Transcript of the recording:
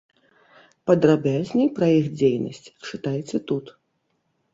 Падрабязней пра іх дзейнасць чытайце тут.